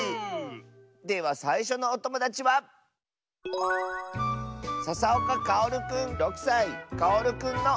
ではさいしょのおともだちはかおるくんの。